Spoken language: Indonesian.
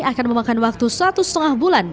akan memakan waktu satu setengah bulan